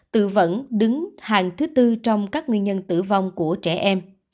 tự vẫn đứng hàng thứ tư trong các nguyên nhân tử vong của trẻ em